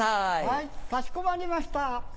はいかしこまりました。